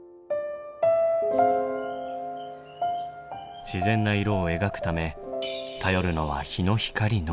自然な色を描くため頼るのは日の光のみ。